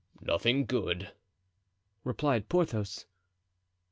"Nothing good," replied Porthos.